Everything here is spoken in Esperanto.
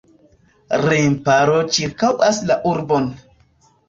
Remparo ĉirkaŭas la urbon.